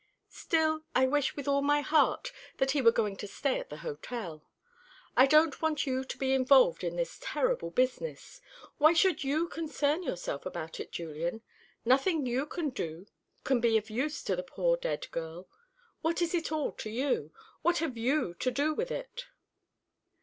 "Still, I wish with all my heart that he were going to stay at the hotel. I don't want you to be involved in this terrible business. Why should you concern yourself about it, Julian? Nothing you can do can be of use to the poor dead girl. What is it all to you? What have you to do with it?"